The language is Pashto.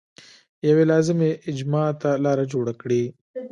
یوې لازمي اجماع ته لار جوړه کړي.